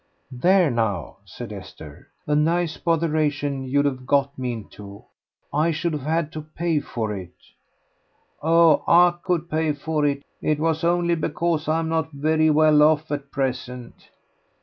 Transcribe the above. "There, now," said Esther, "a nice botheration you'd 've got me into. I should've had to pay for it." "Oh, I could pay for it; it was only because I'm not very well off at present."